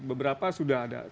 beberapa sudah belajar